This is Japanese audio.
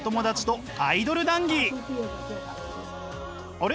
あれ？